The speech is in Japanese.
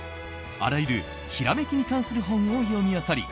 あらゆるひらめきに関する本を読みあさり